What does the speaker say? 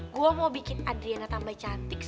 gue mau bikin adriana tambah cantik